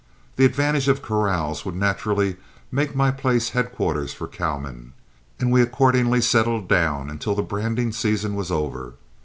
The advantage of corrals would naturally make my place headquarters for cowmen, and we accordingly settled down until the branding season was over.